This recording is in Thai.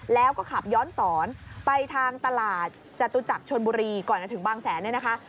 แล้วก็ขับย้อนสอนไปทางตลาดจตุจักรชนบุรีก่อนจะถึงบางแสนเนี่ยนะคะ